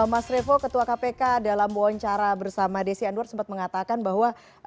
mas revo ketua kpk dalam wawancara bersama desi anwar sempat mengatakan bahwa